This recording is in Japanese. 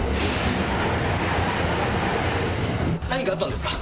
何かあったんですか？